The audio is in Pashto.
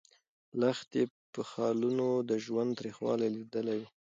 لښتې په خالونو د ژوند تریخوالی لیدلی و.